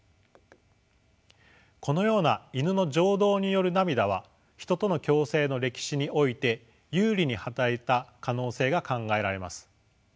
このようなイヌの情動による涙はヒトとの共生の歴史において有利に働いた可能性が考えられます。